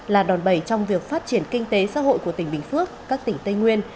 là đòn bẩy trong việc phát triển kinh tế xã hội của tỉnh bình phước các tỉnh tây nguyên